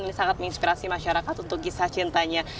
ini sangat menginspirasi masyarakat untuk kisah cintanya